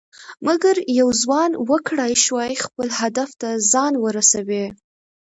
مګر یو ځوان وکړى شوى خپل هدف ته ځان ورسوي.